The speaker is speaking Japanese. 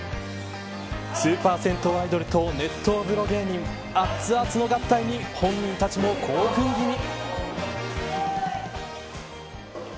スーパー銭湯アイドルと熱湯風呂芸人あっつあつの合体に本人たちも興奮気味。